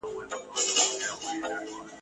دا بزم ازلي دی تر قیامته به پاتېږي !.